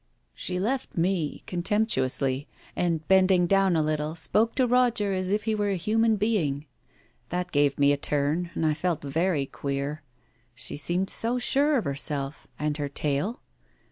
She left me, contemptuously, and bending down a little, spoke to Roger as if he were a human being. That gave me a turn, and I felt very queer. She seemed so sure of herself, and her tale.